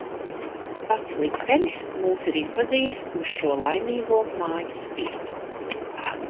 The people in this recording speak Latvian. Pats liktenis mūs ir izvadījis uz šo laimīgo mājas vietu.